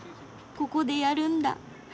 ここでやるんだ。